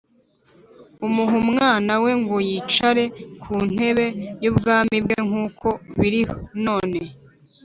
umuha umwana we ngo yicare ku ntebe y’ubwami bwe nk’uko biri none